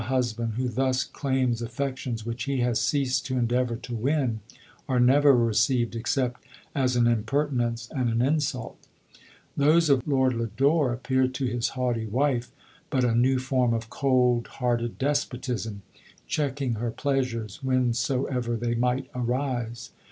144 LODORE. husband, who thus claims affections which lie has ceased to endeavour to win, are never received except as an impertinence and an insult. Those of Lord Lodore appeared to his haughty wife but a new form of cold hearted despotism, checking her pleasures whencesoever they might arise.